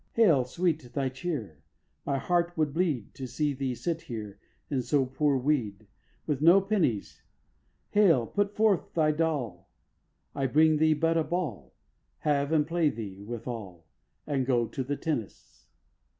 Hail! sweet Thy cheer! My heart would bleed To see Thee sit here in so poor weed, With no pennies. Hail! put forth Thy dall! I bring Thee but a ball, Have and play Thee withal. And go to the tennis.